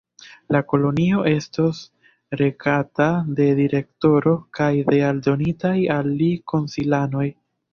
La kolonio estos regata de direktoro kaj de aldonitaj al li konsilanoj.